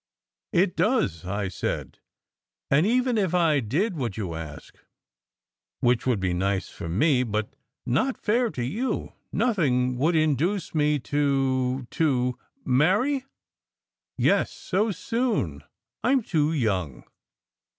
"It does," I said. "And even if I did what you ask, which would be nice for me, but not fair to you, nothing would induce me to to " "Marry?" "Yes, so soon. I m too young.